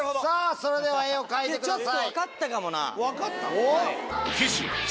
それでは絵を描いてください。